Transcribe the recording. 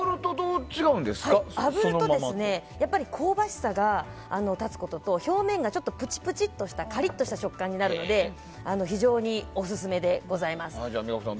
あぶると香ばしさが立つことと表面がプチプチとしたカリッとした食感になるので非常にオススメでございます。